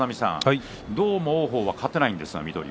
どうも王鵬は勝てないんですが。